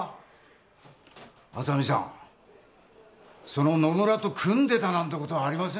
その野村と組んでたなんてことはありませんでしょうな？